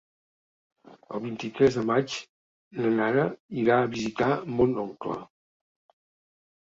El vint-i-tres de maig na Nara irà a visitar mon oncle.